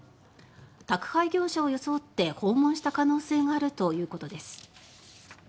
宅配業者を装って訪問した可能性があるということです。